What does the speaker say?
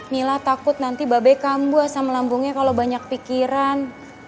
nila takut nanti babai kambuh asam lambungnya kalo banyak pikiran